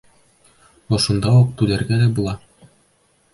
Ошонда уҡ уны түләргә лә була.